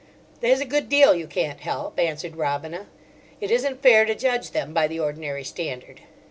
"There's a good deal you can't help," answered Robina. "It isn't fair to judge them by the ordinary standard."